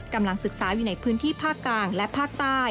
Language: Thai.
กำลังศึกษาอยู่ในพื้นที่ภาคกลางและภาคใต้